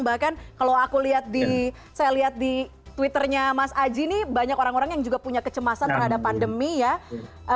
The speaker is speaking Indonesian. bahkan kalau aku lihat di saya lihat di twitternya mas aji ini banyak orang orang yang juga punya kecemasan terhadap pandemi ya